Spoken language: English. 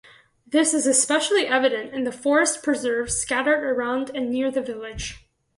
This is especially evident in the Forest Preserves scattered around and near the village.